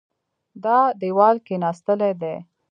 دا دېوال کېناستلی دی.